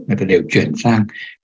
người ta đều chuyển sang cái